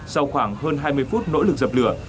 sau khoảng hơn hai mươi phút nỗ lực dập lửa